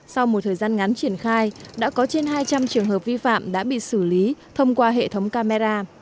sau một thời gian ngắn triển khai đã có trên hai trăm linh trường hợp vi phạm đã bị xử lý thông qua hệ thống camera